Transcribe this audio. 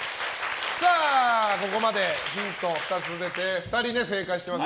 ここまでヒント２つ出て２人正解しています。